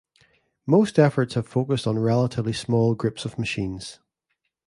Most efforts have focused on relatively small groups of machines.